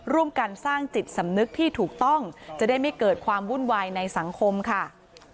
ร่วมกันสร้างจิตสำนึกที่ถูกต้องจะได้ไม่เกิดความวุ่นวายในสังคมค่ะ